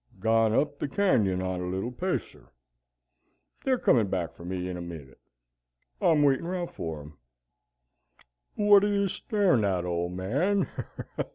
"Gone up the canyon on a little pasear. They're coming back for me in a minit. I'm waitin' round for 'em. What are you starin' at, Old Man?"